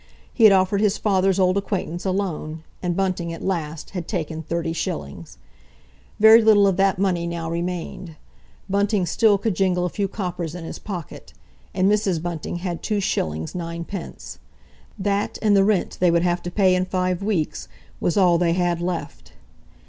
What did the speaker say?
He had offered his father's old acquaintance a loan, and Bunting, at last, had taken 30s. Very little of that money now remained: Bunting still could jingle a few coppers in his pocket; and Mrs. Bunting had 2s. 9d.; that and the rent they would have to pay in five weeks, was all they had left.